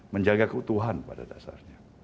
menjaga keutuhan pada dasarnya